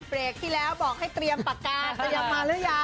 เบรกที่แล้วบอกให้เตรียมปากกาศจะยังมาหรือยัง